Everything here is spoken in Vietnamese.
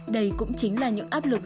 đây cũng chính là những áp lực